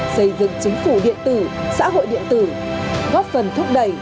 xây dựng chính phủ điện tử xã hội điện tử góp phần thúc đẩy